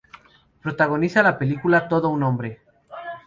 Protagoniza la película "Todo un hombre".